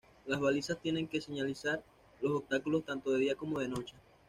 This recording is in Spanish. Las balizas tienen que señalizar los obstáculos tanto de día como de noche.